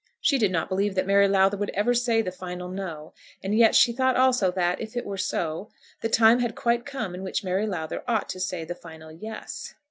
She did not believe that Mary Lowther would ever say the final No; and yet she thought also that, if it were so, the time had quite come in which Mary Lowther ought to say the final Yes.